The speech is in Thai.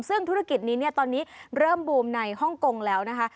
ซึ่งธุรกิจนี้เนี่ยตอนนี้เริ่มบูมในฮ่องกงแล้วนะคะ